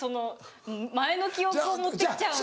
前の記憶を持ってきちゃうんだ。